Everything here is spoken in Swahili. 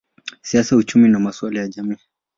siasa, uchumi au masuala ya jamii.